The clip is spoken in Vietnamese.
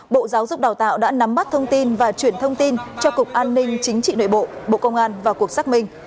bộ giáo dục đào tạo đã nắm bắt thông tin và chuyển thông tin cho cục an ninh chính trị nội bộ bộ công an vào cuộc xác minh